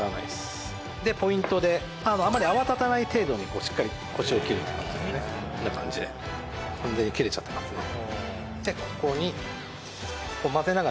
ポイントであんまり泡立たない程度にしっかりコシを切るとこんな感じで完全に切れちゃってますね